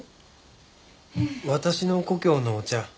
私の故郷のお茶。